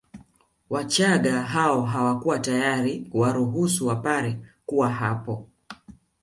Wachaga hao hawakuwa tayari kuwaruhusu Wapare kuwa hapo